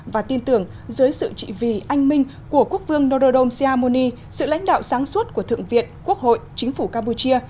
và tin tưởng dưới sự trị vì anh minh của quốc vương notre dame siamony sự lãnh đạo sáng suốt của thượng viện quốc hội chính phủ campuchia